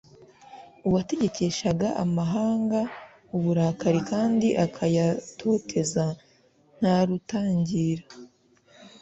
uwategekeshaga amahanga uburakari kandi akayatoteza nta rutangira